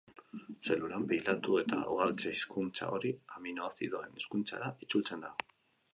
Zelulan, pilatu eta ugaltze hizkuntza hori aminoazidoen hizkuntzara itzultzen da.